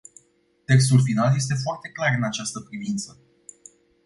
Textul final este foarte clar în această privință.